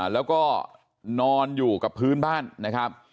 แล้วก็นอนอยู่กับพื้นบ้านนะครับ